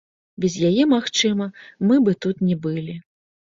Без яе, магчыма, мы бы тут не былі.